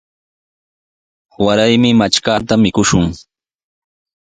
Waraymi matrkata mikushun.